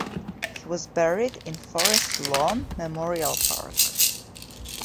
He was buried in Forest Lawn Memorial Park.